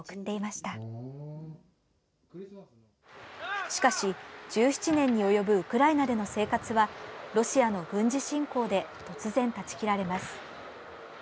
しかし、１７年に及ぶウクライナでの生活はロシアの軍事侵攻で突然、断ち切られます。